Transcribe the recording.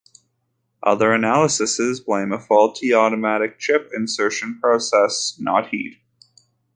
Other analyses blame a faulty automatic chip insertion process, not heat.